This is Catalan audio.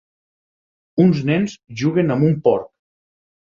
Uns nens juguen amb un porc